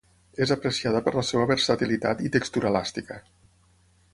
És apreciada per la seva versatilitat i textura elàstica.